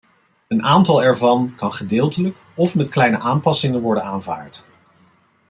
Een aantal ervan kan gedeeltelijk of met kleine aanpassingen worden aanvaard.